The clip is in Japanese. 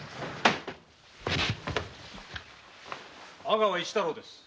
阿川市太郎です。